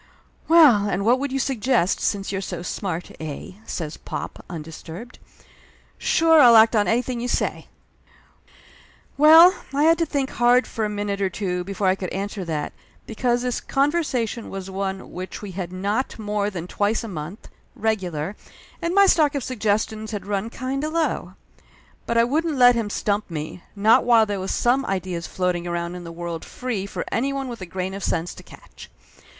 "Well, and what would you suggest, since you're so smart, eh?" says pop, undisturbed. "Sure, I'll act on anything you say !" Well, I had to think hard for a minute or two be fore I could answer that, because this conversation was one which we had not more than twice a month, regular, and my stock of suggestions had run kind of low. But I wouldn't let him stump me, not while there was some ideas floating around in the world free for anyone with a grain of sense to catch.